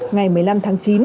ngày một mươi năm tháng chín